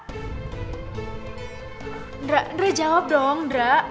indra indra jawab dong indra